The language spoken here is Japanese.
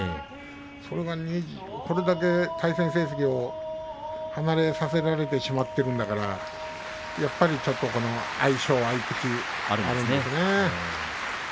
それが、これだけ対戦成績を離れさせられてしまっているんだからやっぱり相性合い口あるんですね。